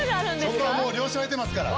そこはもう了承得てますから。